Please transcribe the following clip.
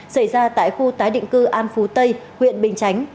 xảy ra tại khu tái định cư an phú tây huyện bình chánh